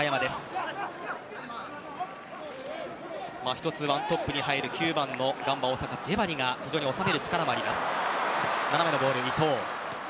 １つ、１トップに入る９番のガンバ大阪に所属するジェバリが非常に収める力があります。